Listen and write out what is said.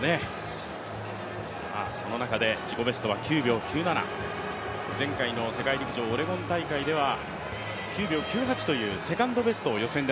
その中で自己ベストは９秒９７、前回の世界陸上オレゴン大会では９秒９８というセカンドベストを予選で